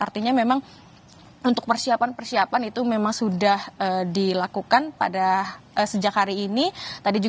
artinya memang untuk persiapan persiapan itu memang sudah dilakukan pada sejak hari ini